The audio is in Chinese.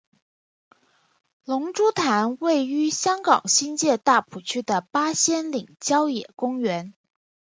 龙珠潭位于香港新界大埔区的八仙岭郊野公园。